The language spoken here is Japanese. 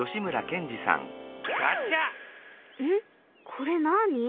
これなあに？